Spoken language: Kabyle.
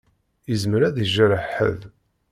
Izmer ad d-ijreḥ ḥedd.